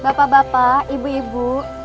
bapak bapak ibu ibu